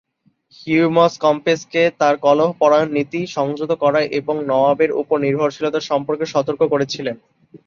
Hume's কম্বেসকে তার কলহপরায়ণ নীতি সংযত করা এবং নওয়াবের উপর নির্ভরশীলতা সম্পর্কে সতর্ক করেছিলেন।